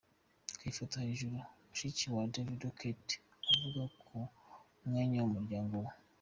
Ku ifoto hejuru, mushiki wa David Kato avuga mu mwanya w'umuryango we.